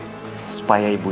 tinggalkan kamu di sini